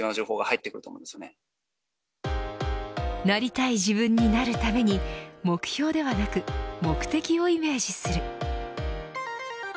なりたい自分になるために目標ではなく目的をイメージする。